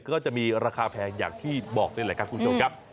ก็จะมีราคาแพงอย่างที่บอกนี่แหละครับคุณผู้ชมครับ